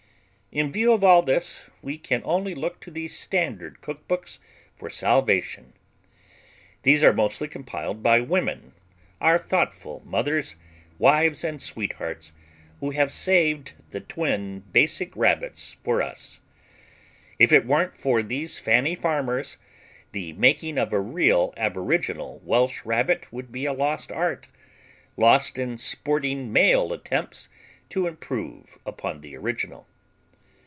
In view of all this, we can only look to the standard cookbooks for salvation. These are mostly compiled by women, our thoughtful mothers, wives and sweethearts who have saved the twin Basic Rabbits for us. If it weren't for these Fanny Farmers, the making of a real aboriginal Welsh Rabbit would be a lost art lost in sporting male attempts to improve upon the original.